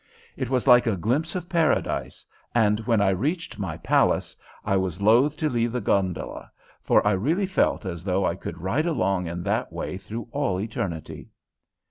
It was like a glimpse of paradise, and when I reached my palace I was loath to leave the gondola, for I really felt as though I could glide along in that way through all eternity."